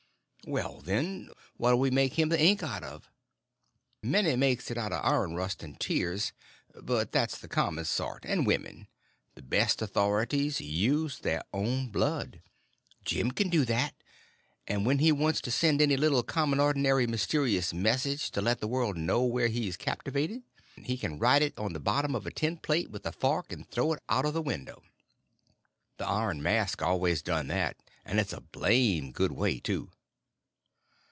"Well, then, what'll we make him the ink out of?" "Many makes it out of iron rust and tears; but that's the common sort and women; the best authorities uses their own blood. Jim can do that; and when he wants to send any little common ordinary mysterious message to let the world know where he's captivated, he can write it on the bottom of a tin plate with a fork and throw it out of the window. The Iron Mask always done that, and it's a blame' good way, too."